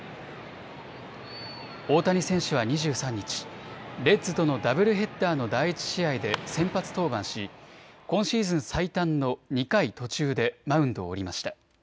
大谷選手は２３日、レッズとのダブルヘッダーの第１試合で先発登板し今シーズン最短の２回途中でマウンドを降りました。